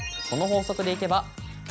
この法則でいけば。